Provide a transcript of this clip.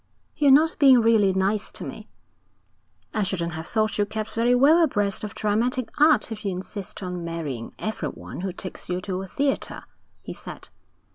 'You're not being really nice to me.' 'I shouldn't have thought you kept very well abreast of dramatic art if you insist on marrying everyone who takes you to a theatre,' he said.